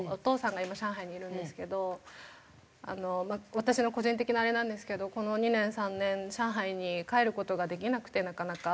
私の個人的なあれなんですけどこの２年３年上海に帰る事ができなくてなかなか。